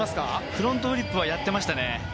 フロントフリップはやってましたね。